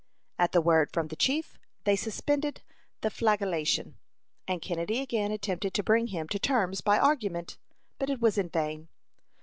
At the word from the chief, they suspended the flagellation, and Kennedy again attempted to bring him to terms by argument, but it was in vain.